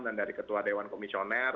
dan dari ketua dewan komisioner